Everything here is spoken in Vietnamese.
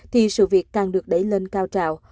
thì sự việc càng được đẩy lên cao trào